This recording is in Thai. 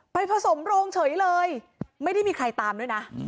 ผสมโรงเฉยเลยไม่ได้มีใครตามด้วยนะ